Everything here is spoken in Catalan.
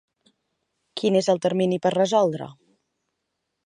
Quin és el termini per resoldre?